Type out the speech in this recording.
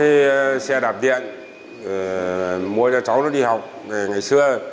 gia đình nhà tôi có cái xe đạp điện mua cho cháu nó đi học ngày xưa